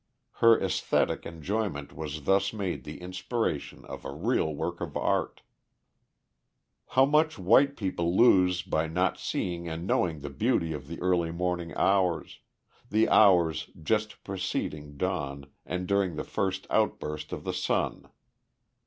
Her æsthetic enjoyment was thus made the inspiration of a real work of art. How much white people lose by not seeing and knowing the beauty of the early morning hours, the hours just preceding dawn, and during the first outburst of the sun!